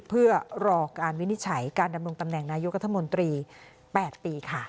เพื่อรอการวินิจฉัยการดำรงตำแหน่งนายกรัฐมนตรี๘ปีค่ะ